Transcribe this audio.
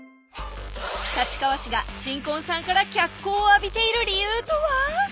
立川市が新婚さんから脚光を浴びている理由とは？